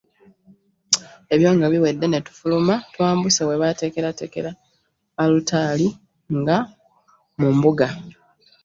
Ebyo nga biwedde ne tufuluma, twambuse we baatekeratekera Altari nga mu mbuga.